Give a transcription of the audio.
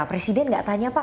presiden nggak tanya pak